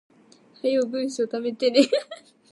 早う文章溜めてね